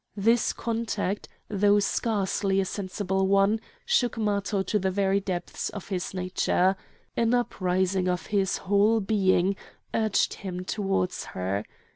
This contact, though scarcely a sensible one, shook Matho to the very depths of his nature. An uprising of his whole being urged him towards her.